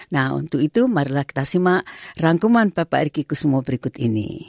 nah untuk itu mari kita simak rangkuman pak pak erki kusmo berikut ini